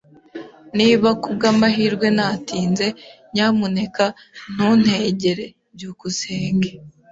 Niba kubwamahirwe natinze, nyamuneka ntuntegere. byukusenge